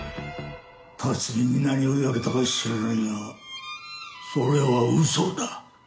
辰巳に何を言われたか知らないがそれは嘘だ。